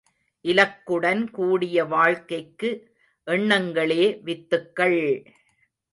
இலக்குடன் கூடிய வாழ்க்கைக்கு எண்ணங்களே வித்துக்கள்!